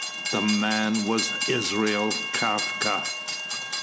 The man was Israel Kafka.